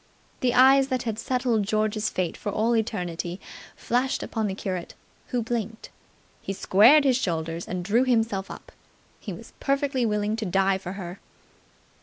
The eyes that had settled George's fate for all eternity flashed upon the curate, who blinked. He squared his shoulders and drew himself up. He was perfectly willing to die for her.